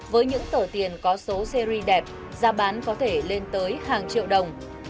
với những tờ tiền có số series đẹp giá bán có thể lên tới hàng triệu đồng